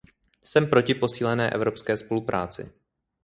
Jsem proti posílené evropské spolupráci.